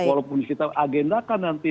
walaupun kita agendakan nanti